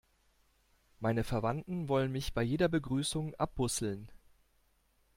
Meine Verwandten wollen mich bei jeder Begrüßung abbusseln.